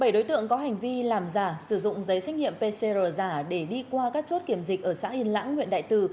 bảy đối tượng có hành vi làm giả sử dụng giấy xét nghiệm pcr giả để đi qua các chốt kiểm dịch ở xã yên lãng huyện đại từ